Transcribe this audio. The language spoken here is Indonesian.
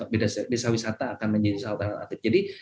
biasa wisata akan menjadi alternatif jadi